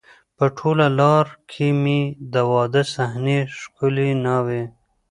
په ټوله لار کې مې د واده صحنې، ښکلې ناوې،